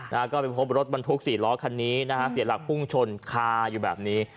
นะฮะก็ไปพบรถบรรทุกสี่ล้อคันนี้นะฮะเสียหลักพุ่งชนคาอยู่แบบนี้